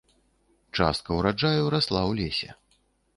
Частка ўраджаю расла ў лесе.